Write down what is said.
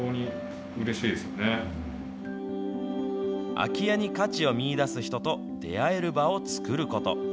空き家に価値を見いだす人と出会える場を作ること。